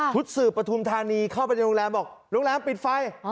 สืบปฐุมธานีเข้าไปในโรงแรมบอกโรงแรมปิดไฟ